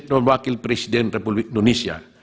calon wakil presiden republik indonesia